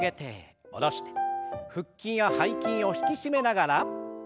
腹筋や背筋を引き締めながら。